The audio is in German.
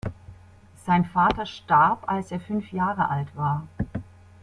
Sein Vater starb, als er fünf Jahre alt war.